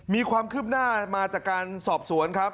มีความคืบหน้ามาจากการสอบสวนครับ